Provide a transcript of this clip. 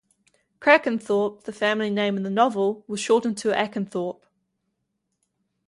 Crackenthorpe, the family name in the novel, was shortened to Ackenthorpe.